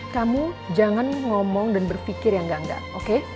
kamu jangan ngomong dan berpikir yang enggak enggak oke